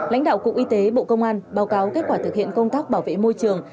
lãnh đạo cục y tế bộ công an báo cáo kết quả thực hiện công tác bảo vệ môi trường